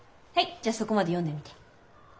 じゃそこまで読んでみて。